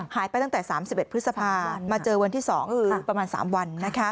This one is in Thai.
หายไปตั้งแต่๓๑พฤษภามาเจอวันที่๒คือประมาณ๓วัน